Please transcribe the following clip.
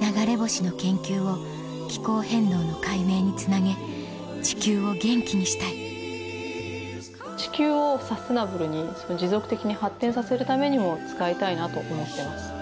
流れ星の研究を気候変動の解明につなげ地球を元気にしたい地球をサステナブルに持続的に発展させるためにも使いたいなと思ってます。